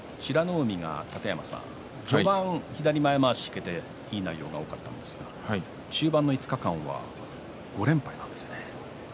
海が序盤、左前まわしでいい内容が多かったんですが中盤の５日間は５連敗ですね。